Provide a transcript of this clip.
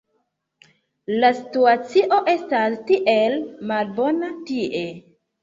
la situacio estas tiel malbona tie